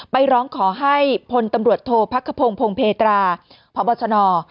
ไปร้องขอให้พลตำรวจโทษพักภพงศ์พงศ์เพตราพระบัชนอร์